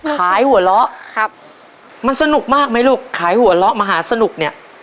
หัวเราะครับมันสนุกมากไหมลูกขายหัวเราะมหาสนุกเนี่ย